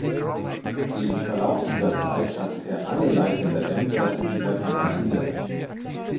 Im Verlauf dieser Zeit hatte er alle leitende Ämter in dieser Kammer inne.